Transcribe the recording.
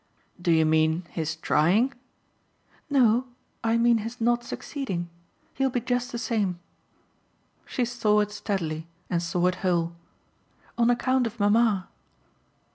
"Do you mean his trying?" "No, I mean his not succeeding. He'll be just the same." She saw it steadily and saw it whole. "On account of mamma."